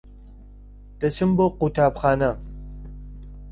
دەچم بۆ قوتابخانە.